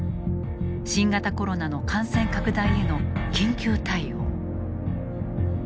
新型コロナの感染拡大への緊急対応。